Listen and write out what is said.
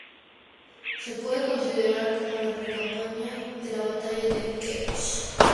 Se puede considerar como la precampaña de la batalla de Qadesh.